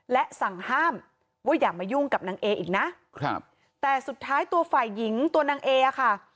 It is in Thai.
และสั่งห้ามว่าอย่ามายุ่งกับนางเออีกนะครับแต่สุดท้ายตัวฝ่ายหญิงตัวนางเออ่ะค่ะ